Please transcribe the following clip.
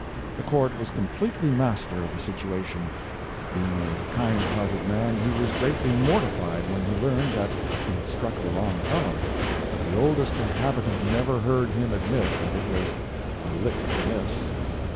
The court was completely master of the situation. Being a kind hearted man, he was greatly mortified when he learned that he had struck the wrong fellow, but the oldest His Life and Work. inhabitant never heard him admit that it was "a lick amiss."